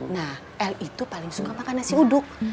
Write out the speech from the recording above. nah l itu paling suka makan nasi uduk